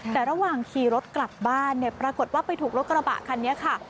แต่ระหว่างขี่รถกลับบ้านเนี่ยปรากฏว่าไปถูกรถกระบะคันนี้ค่ะ